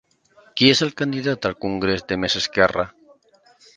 Qui és el candidat al congrés de Més Esquerra?